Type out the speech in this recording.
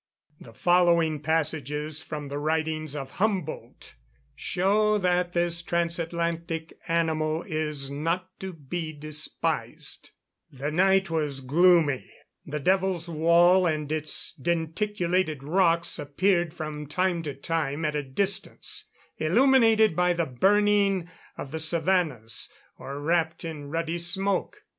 The following passages from the writings of Humboldt show that this transatlantic animal is not to be despised: "The night was gloomy; the Devil's Wall and its denticulated rocks appeared from time to time at a distance, illuminated by the burning of the savannahs, or wrapped in ruddy smoke.